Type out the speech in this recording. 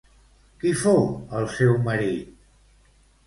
Qui fou el seu marit?